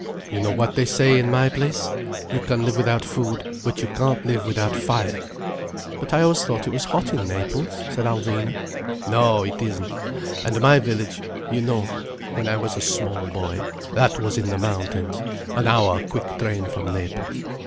You know what they say in my place: You can live without food, but you can't live without fire." "But I thought it was always hot in Naples," said Alvina. "No, it isn't. And my village, you know, when I was small boy, that was in the mountains, an hour quick train from Naples.